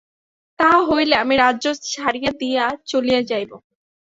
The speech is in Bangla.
তাহা হইলে আমি রাজ্য ছাড়িয়া দিয়া চলিয়া যাইব।